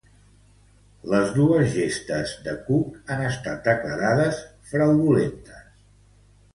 Les dos gestes de Cook han estat declarades fraudulentes.